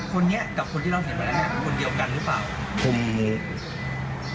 คนนี้กับคนที่เราเห็นวันนั้นคนเดียวกันหรือเปล่าผม